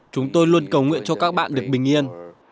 chúng tôi luôn cầu nguyện cho các bạn được bình yên